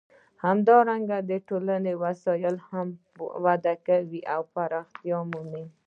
همدارنګه د تولید وسایل هم وده کوي او پراختیا مومي.